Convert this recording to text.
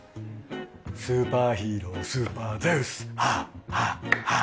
「スーパーヒーロー、スーパーゼウスハーハーハー」